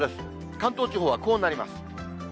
関東地方はこうなります。